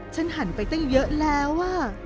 ฉันหันไปตั้งเยอะแล้ว